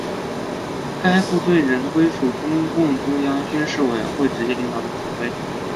该部队仍归属中共中央军事委员会直接领导与指挥。